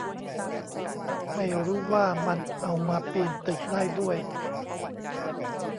ไม่รู้ว่ามันเอามาปีนตึกได้ด้วย